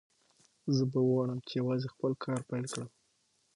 زه به وغواړم چې یوازې خپل کار پیل کړم